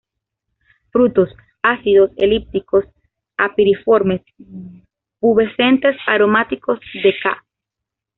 Frutos: ácidos, elípticos a piriformes, pubescentes, aromáticos, de ca.